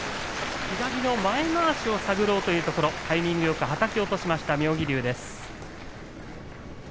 左の前まわしを探ろうというところ、タイミングよくはたき落としました。